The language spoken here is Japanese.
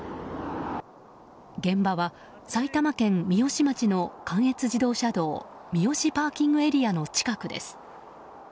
現場は埼玉県三芳町の関越自動車道三芳ＰＡの近くです。